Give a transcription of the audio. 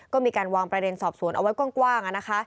ก็มีการวางประเด็นสอบสวนเอาไว้กว้าง